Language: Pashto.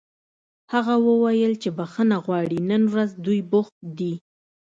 هغه وویل چې بښنه غواړي نن ورځ دوی بوخت دي